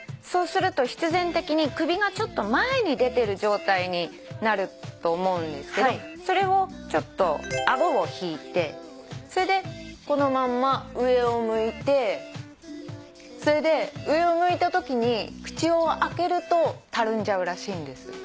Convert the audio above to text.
そうすると必然的に首がちょっと前に出てる状態になると思うんですけどそれをちょっと顎を引いてそれでこのまんま上を向いてそれで上を向いたときに口を開けるとたるんじゃうらしいんです。